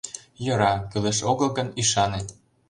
— Йӧра... кӱлеш-огыл гын, ӱшане...